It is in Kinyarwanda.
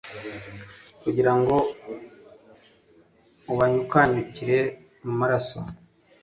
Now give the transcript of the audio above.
kugira ngo ubanyukanyukire mu maraso